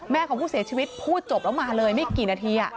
ของผู้เสียชีวิตพูดจบแล้วมาเลยไม่กี่นาที